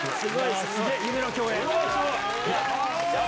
夢の共演。